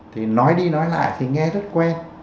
thì nói đi nói lại thì nghe rất quen